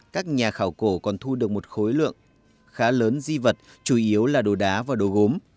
các nhà khảo cổ còn thu được một khối lượng khá lớn di vật chủ yếu là đồ đá và đồ gốm